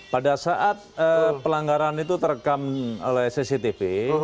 pada saat pelanggaran itu terekam oleh cctv